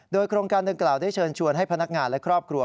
โดยโครงการดังกล่าวได้เชิญชวนให้พนักงานและครอบครัว